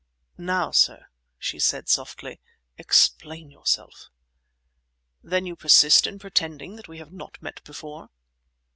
"Now, sir," she said softly, "explain yourself." "Then you persist in pretending that we have not met before?"